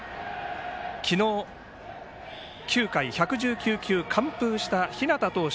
昨日、９回１１９球完封した日當投手。